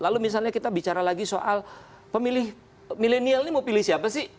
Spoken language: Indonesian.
lalu misalnya kita bicara lagi soal pemilih milenial ini mau pilih siapa sih